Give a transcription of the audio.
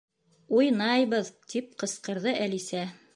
—Уйнайбыҙ! —тип ҡысҡырҙы Әлисә.